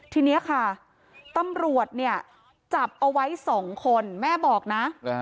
ทีนี้ค่ะตำรวจเนี่ยจับเอาไว้๒คนแม่บอกนะ